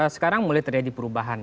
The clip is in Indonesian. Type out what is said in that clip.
sekarang mulai terjadi perubahan